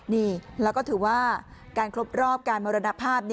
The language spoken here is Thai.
นี่แล้วก็ถือว่าการครบรอบการมรณภาพ